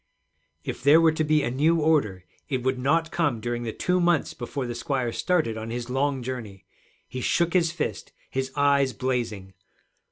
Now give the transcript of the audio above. If there were to be a new order, it would not come during the two months before the squire started on his long journey! He shook his fist, his eyes blazing.